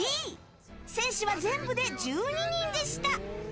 戦士は全部で１２人でした。